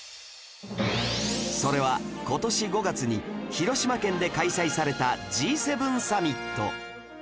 それは今年５月に広島県で開催された Ｇ７ サミット